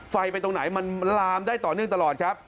ไปตรงไหนมันลามได้ต่อเนื่องตลอดครับ